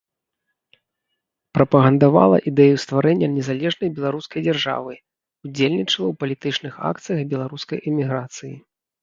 Прапагандавала ідэю стварэння незалежнай беларускай дзяржавы, удзельнічала ў палітычных акцыях беларускай эміграцыі.